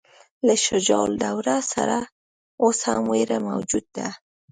له شجاع الدوله سره اوس هم وېره موجوده وه.